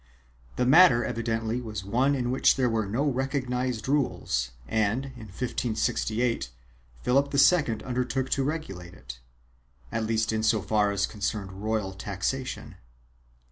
The matter evidently was one in which there were no recognized rules and, in 1568, Philip II undertook to regulate it, at least in so far as concerned royal taxation.